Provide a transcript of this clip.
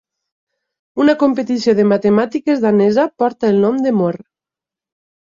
Una competició de matemàtiques danesa porta el nom de Mohr.